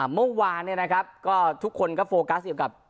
เมื่อวานทุกคนก็โฟกัสกับ